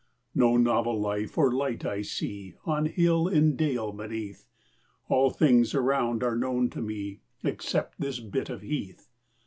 No novel life or light I see, On hill, in dale beneath: All things around are known to me Except this bit of heath.